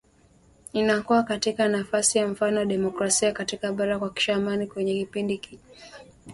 inakuwa katika nafasi ya mfano wa demokrasia katika bara kwa kuhakikisha amani kwenye kipindi hiki cha mpito